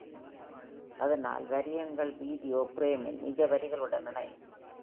அதனால், வரி எண்கள் வீடியோ பிரேமின் நிஜ வரிகளுடன் இணையும்.